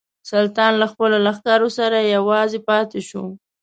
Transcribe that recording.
سلطان له خپلو لښکرو سره یوازې پاته شو.